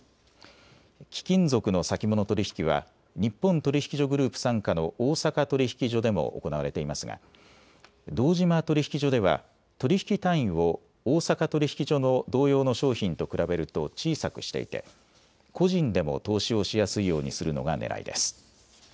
貴金属の先物取引は日本取引所グループ傘下の大阪取引所でも行われていますが堂島取引所では取引単位を大阪取引所の同様の商品と比べると小さくしていて個人でも投資をしやすいようにするのがねらいです。